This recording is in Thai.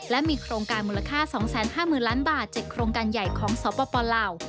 และมีโครงการมูลค่า๒๕๐๐๐ล้านบาท๗โครงการใหญ่ของสปลาว